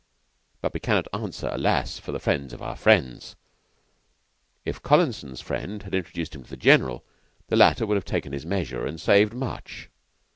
But we cannot answer, alas! for the friends of our friends. If Collinson's friend had introduced him to the General, the latter would have taken his measure and saved much.